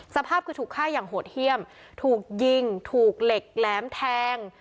สภาพคือถูกฆ่าอย่างโหดเยี่ยมถูกยิงถูกเหล็กแหลมแทง